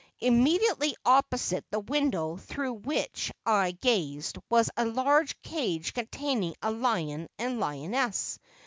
Immediately opposite the window through which I gazed, was a large cage containing a lion and lioness.